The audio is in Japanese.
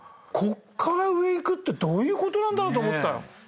こっから上いくってどういうことなんだろと思ったよ。